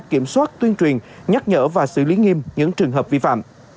kiểm soát tuyên truyền nhắc nhở và xử lý nghiêm những trường hợp vi phạm